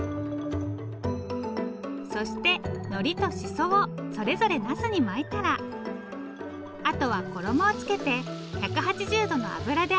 そしてのりとしそをそれぞれナスに巻いたらあとは衣をつけて１８０度の油で揚げます。